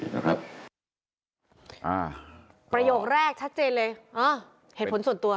ประโยคแรกชัดเจนเลยอ๋อเหตุผลส่วนตัว